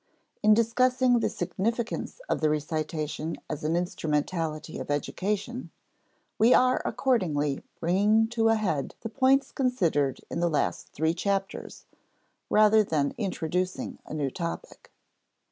In discussing the significance of the recitation as an instrumentality of education, we are accordingly bringing to a head the points considered in the last three chapters, rather than introducing a new topic.